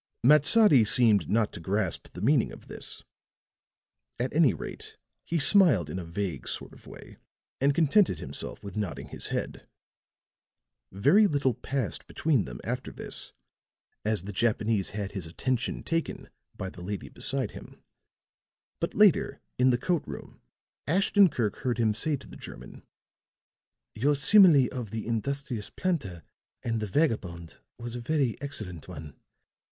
Matsadi seemed not to grasp the meaning of this; at any rate he smiled in a vague sort of way and contented himself with nodding his head. Very little passed between them after this, as the Japanese had his attention taken by the lady beside him; but later, in the coat room, Ashton Kirk heard him say to the German: "Your simile of the industrious planter and the vagabond was a very excellent one.